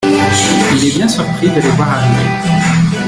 Il est bien surpris de les voir arriver.